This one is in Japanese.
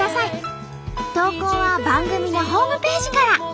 投稿は番組のホームページから。